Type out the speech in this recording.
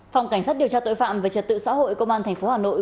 phòng cảnh sát điều tra tội phạm về trật tự xã hội công an tp hà nội